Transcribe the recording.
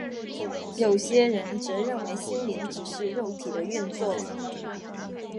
有些人则认为心灵只是肉体的运作。